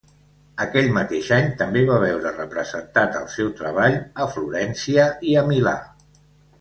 Aquell mateix any també va veure representat el seu treball a Florència i a Milà.